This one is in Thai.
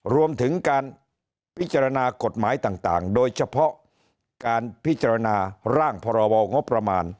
รวมถึงการพิจารณากฎหมายต่างโดยเฉพาะการพิจารณาร่างพรบงบประมาณ